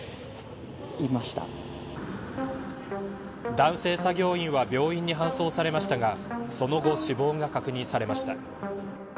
男性作業員は病院に搬送されましたがその後、死亡が確認されました。